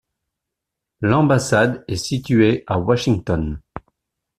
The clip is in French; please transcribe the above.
L’ambassade est située à Washington.